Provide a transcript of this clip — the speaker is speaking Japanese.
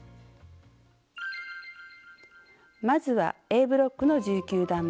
まずはＡブロックの１９段め。